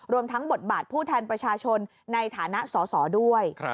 รวมทั้งบทบาทผู้แทนประชาชนในฐานะสอสอด้วย